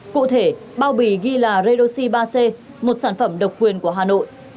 cụ thể bao bì ghi là reloxi ba c một sản phẩm độc quyền của hà nội